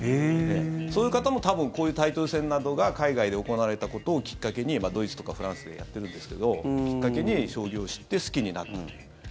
そういう方も多分こういうタイトル戦などが海外で行われたことをきっかけにドイツとかフランスでやってるんですけどきっかけに将棋を知って好きになったという。